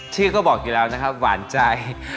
ชื่อก็บอกอยู่แล้วนะครับหวานใจ